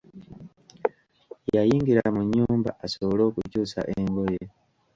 Yayingira mu nnyumba asobole okukyusa engoye.